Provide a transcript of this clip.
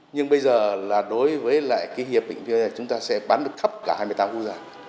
nhưng bây giờ đối với hiệp định này chúng ta sẽ bán được khắp cả hai mươi tám quốc gia